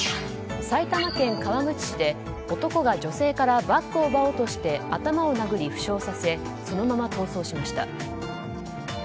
埼玉県川口市で、男が女性からバッグを奪おうとして頭を殴り、負傷させそのまま逃走しました。